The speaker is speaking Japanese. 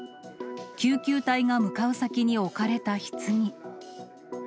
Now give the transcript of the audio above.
救急隊が向かう先に置かれたひつぎ。